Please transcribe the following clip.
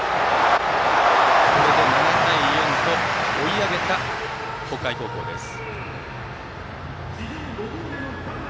これで７対４と追い上げた北海高校です。